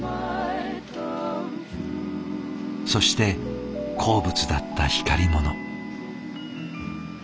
そして好物だった光り物。